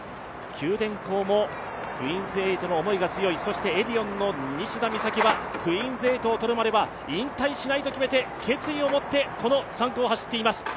九電工もクイーンズ８の思いが強いエディオンの西田美咲はクイーン８をとるまでは引退しないといって決意をもってこの３区を走っています。